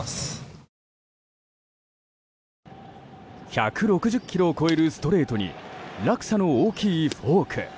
１６０キロを超えるストレートに落差の大きいフォーク。